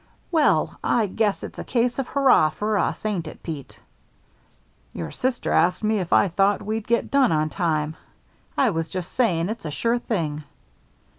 "Well, I guess it's a case of hurrah for us, ain't it, Pete?" "Your sister asked me if I thought we'd get done on time. I was just saying it's a sure thing."